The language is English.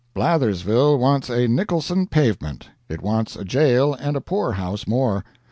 Blathersville wants a Nicholson pavement it wants a jail and a poorhouse more.